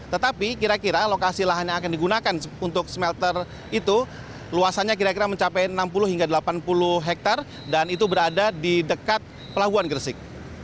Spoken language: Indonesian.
tetapi kira kira lokasi lahan yang akan digunakan untuk smelter itu luasannya kira kira mencapai enam puluh hingga delapan puluh hektare dan itu berada di dekat pelabuhan gresik